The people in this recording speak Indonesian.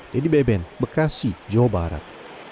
dedy beben bekasi jawa barat